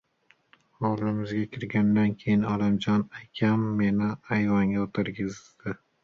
Hovlimizga kirgandan keyin Olimjon akam meni ayvonga o‘tqizdi.